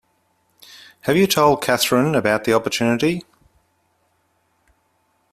Have you told Katherine about the opportunity?